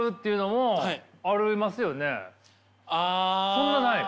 そんなない？